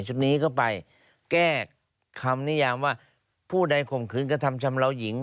ชุดนี้เข้าไปแก้คำนิยามว่าผู้ใดข่มขืนกระทำชำเลาหญิง